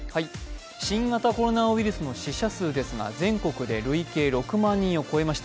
新型コロナウイルスの死者数ですが全国で累計６万人を超えました。